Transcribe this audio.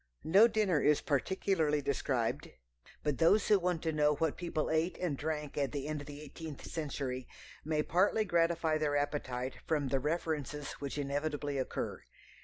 No dinner is particularly described, but those who want to know what people ate and drank at the end of the eighteenth century may partly gratify their appetite from the references which inevitably occur.